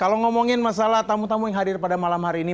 kalau ngomongin masalah tamu tamu yang hadir pada malam hari ini